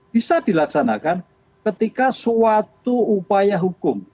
bisa dilaksanakan ketika suatu upaya hukum